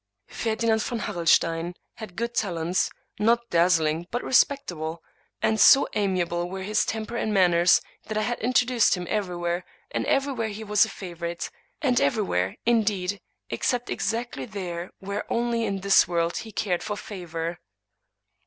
Ferdinand von Har relstein had good talents, not dazzling but respectable ; and so amiable were his temper and manners that I had intro duced him everywhere, and everywhere he was a favorite ; and everywhere, indeed, except exactly there where only in this world he cared for favor.